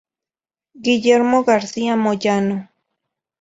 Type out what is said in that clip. Guillermo García Moyano.